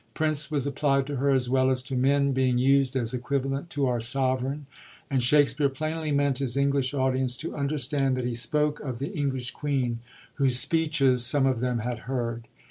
'Prince' was applied to her as well as to men, being used as equivalent to our 'sovereign*;^ and Shakspere plainly meant his English audience to understand that he spoke of the EngUsIx queen, whose speeches some of them had heard.